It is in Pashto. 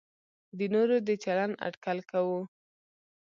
د نورو د چلند اټکل کوو.